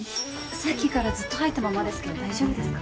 さっきからずっと入ったままですけど大丈夫ですか？